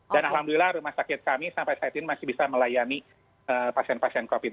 dan alhamdulillah rumah sakit kami sampai saat ini masih bisa melayani pasien pasien covid